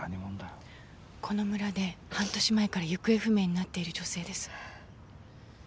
この村で半年前から行方不明になっている女性です。